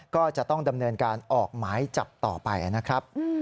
ก็จะต้องดำเนินการออกหมายจับต่อไปนะครับ